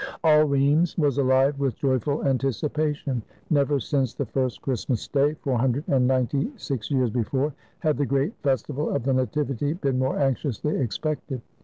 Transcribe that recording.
All Rheims was alive with joyful anticipation. Never since the first Christmas Day, four hundred and ninety six years before, had the great festival of the Nativity been more anxiously expected.